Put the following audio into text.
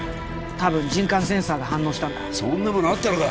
多分人感センサーが反応したんだそんなものあったのか？